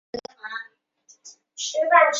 故治在今四川省大竹县东南。